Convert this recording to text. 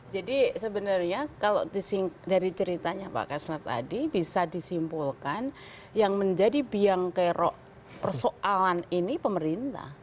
jadi sebenarnya kalau dari ceritanya pak kasnat tadi bisa disimpulkan yang menjadi biang kerok persoalan ini pemerintah